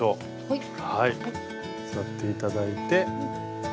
座って頂いて。